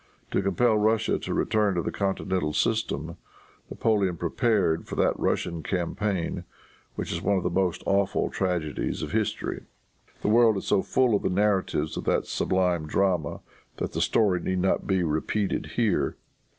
To compel Russia to return to the continental system, Napoleon prepared for that Russian campaign which is one of the most awful tragedies of history. The world is so full of the narratives of that sublime drama, that the story need not be repeated here.